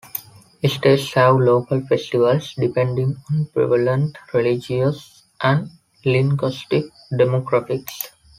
States have local festivals depending on prevalent religious and linguistic demographics.